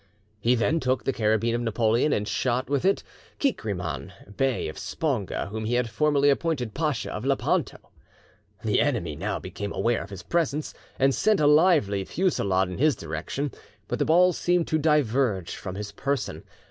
He then took the carabine of Napoleon, and shot with it Kekriman, Bey of Sponga, whom he had formerly appointed Pacha of Lepanto. The enemy now became aware of his presence, and sent a lively fusillade in his direction; but the balls seemed to diverge from his person.